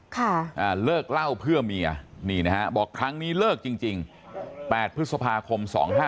ค่ะอ่าเลิกเล่าเพื่อเมียนี่นะฮะบอกครั้งนี้เลิกจริงจริง๘พฤษภาคม๒๕๕๙